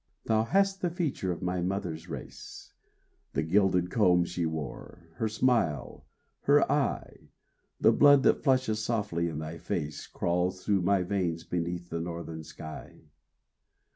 Thou hast the feature of my mother's race, The gilded comb she wore, her smile, her eye: The blood that flushes softly in thy face Crawls through my veins beneath this northern sky.